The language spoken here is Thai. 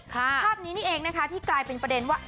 ภาพนี้นี่เองนะคะที่กลายเป็นประเด็นว่า